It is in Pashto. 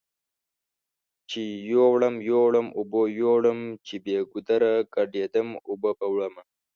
چې يوړم يوړم اوبو يوړم چې بې ګودره ګډ يدم اوبو به وړمه